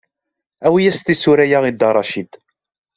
Awi-yas tisura-ya i Dda Racid.